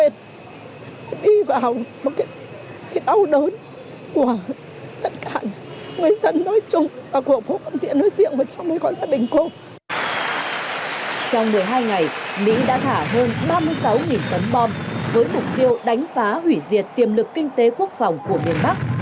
trong một mươi hai ngày mỹ đã thả hơn ba mươi sáu tấn bom với mục tiêu đánh phá hủy diệt tiềm lực kinh tế quốc phòng của miền bắc